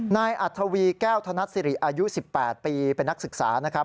นายอัธวีแก้วธนัดสิริอายุ๑๘ปีเป็นนักศึกษานะครับ